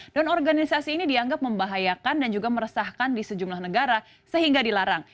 dan organisasi ini dianggap membahayakan dan juga meresahkan di sejumlah negara sehingga dilarang